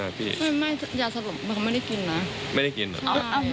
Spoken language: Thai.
เอาไม่ได้เอาวาง